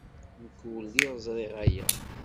Nekk ur lliɣ ẓriɣ aya.